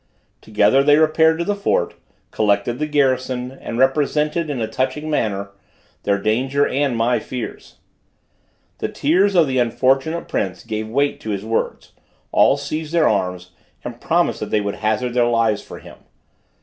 Together they repaired to the fort, collected the garrison, and represented, in a touching manner, their danger and my fears. The tears of the unfortunate prince gave weight to his words; all seized their arms, and promised that they would hazard their lives for him.